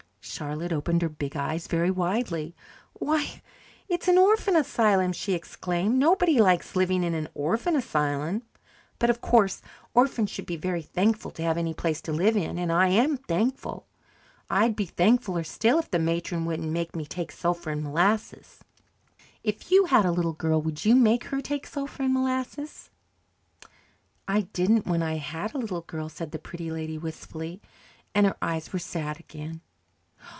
Charlotte opened her big eyes very widely. "Why, it's an orphan asylum!" she exclaimed. "Nobody could like living in an orphan asylum. But, of course, orphans should be very thankful to have any place to live in and I am thankful. I'd be thankfuller still if the matron wouldn't make me take sulphur and molasses. If you had a little girl, would you make her take sulphur and molasses?" "I didn't when I had a little girl," said the Pretty Lady wistfully, and her eyes were sad again.